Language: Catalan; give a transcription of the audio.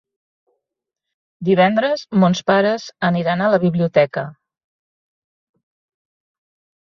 Divendres mons pares aniran a la biblioteca.